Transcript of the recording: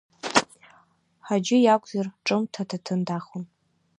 Ҳаџьы иакәзар, ҿымҭ аҭаҭын дахон.